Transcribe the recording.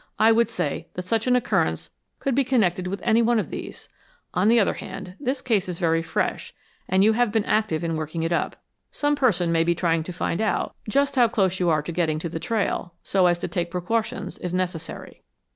I would say that such an occurrence could be connected with any one of these. On the other hand, this case is very fresh, and you have been active in working it up. Some person may be trying to find out just how close you are getting to the trail, so as to take precautions, if necessary."